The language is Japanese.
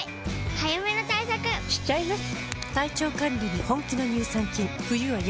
早めの対策しちゃいます。